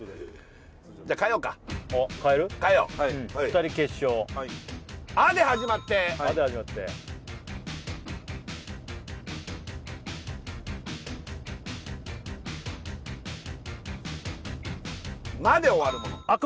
２人決勝「あ」で始まって「あ」で始まって「ま」で終わるもの